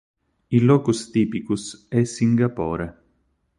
Il locus typicus è Singapore.